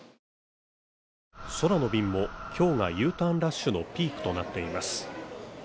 空の便も今日がＵターンラッシュのピークとなっています。